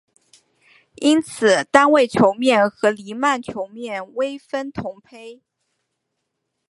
因此单位球面和黎曼球面微分同胚。